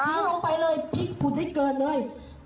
พี่น้องไปเลยพริกผูดได้เกินเลย